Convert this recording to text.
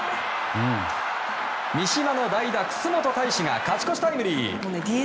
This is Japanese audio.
三嶋の代打、楠本泰史が勝ち越しタイムリー！